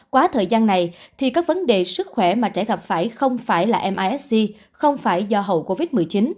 quá thời gian này thì các vấn đề sức khỏe mà trẻ gặp phải không phải là misc không phải do hậu covid một mươi chín